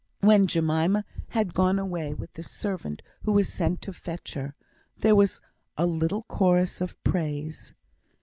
When Jemima had gone away with the servant who was sent to fetch her, there was a little chorus of praise.